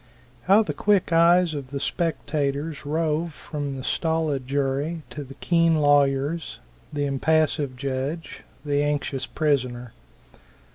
How the quick eyes of the spectators rove from the stolid jury to the keen lawyers, the impassive judge, the anxious prisoner.